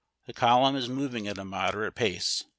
The column is moving at a moderate pace.